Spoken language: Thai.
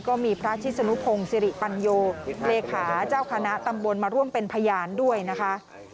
ก็มีพระชิศนุพงศิริปัญโยเลขาเจ้าคณะตำบลมาร่วมเป็นพยานด้วยนะคะ